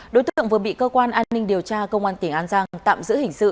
đối tượng vừa bị cơ quan an ninh điều tra công an tỉnh an giang tạm giữ hình sự